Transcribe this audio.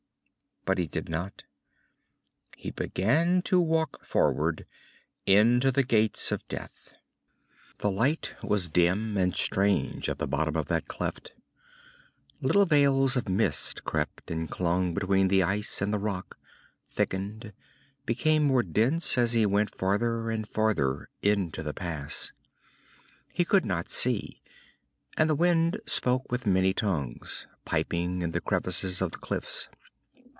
But he did not. He began to walk forward, into the Gates of Death. _The light was dim and strange at the bottom of that cleft. Little veils of mist crept and clung between the ice and the rock, thickened, became more dense as he went farther and farther into the pass. He could not see, and the wind spoke with many tongues, piping in the crevices of the cliffs.